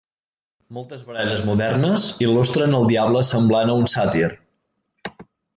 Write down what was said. Moltes baralles modernes il·lustren el diable semblant a un sàtir.